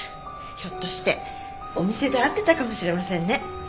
ひょっとしてお店で会ってたかもしれませんね。